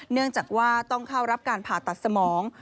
เนื่องจากว่าต้องเข้ารับการผ่าตัดสมอง